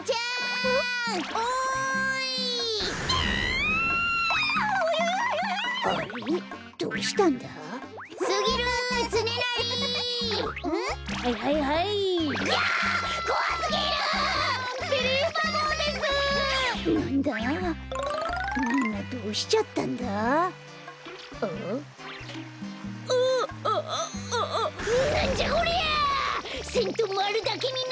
せんとまるだけになってる！